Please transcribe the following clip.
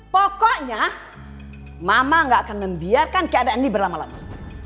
pokoknya mama gak akan membiarkan keadaan ini berlama lama